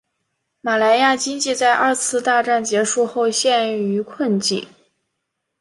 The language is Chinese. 马来亚经济在二次大战结束后陷于困境。